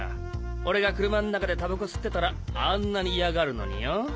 俺が車の中でタバコ吸ってたらあんなに嫌がるのによ。